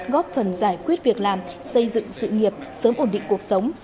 góp phần giải quyết việc làm xây dựng sự nghiệp sớm ổn định cuộc sống